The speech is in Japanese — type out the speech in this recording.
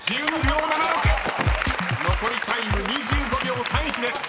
［残りタイム２５秒３１です］